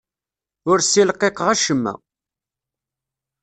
Ur ssilqiqeɣ acemma.